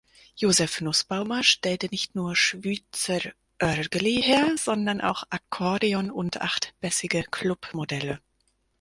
Josef Nussbaumer stellte nicht nur Schwyzerörgeli her, sondern auch Akkordeon und acht-bässige Club-Modelle.